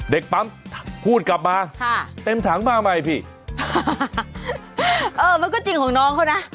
เด็กปั๊มพูดกลับมาค่ะเต็มถังมาใหม่พี่เออมันก็จริงของน้องเขานะ